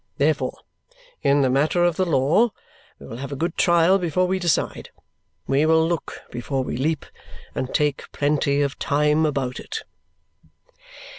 Therefore, in the matter of the law, we will have a good trial before we decide. We will look before we leap, and take plenty of time about it."